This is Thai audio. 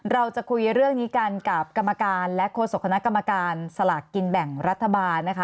เราจะคุยเรื่องนี้กันกับกรรมการและโฆษกคณะกรรมการสลากกินแบ่งรัฐบาลนะคะ